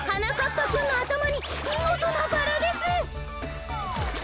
ぱくんのあたまにみごとなバラです。